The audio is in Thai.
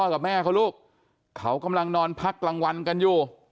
กับแม่เขาลูกเขากำลังนอนพักกลางวันกันอยู่